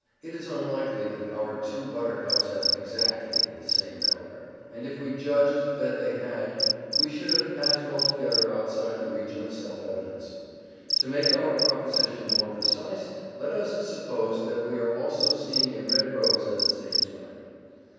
It is unlikely that our two buttercups have EXACTLY the same colour, and if we judged that they had we should have passed altogether outside the region of self evidence. To make our proposition more precise, let us suppose that we are also seeing a red rose at the same time.